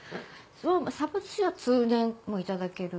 鯖寿司は通年いただける？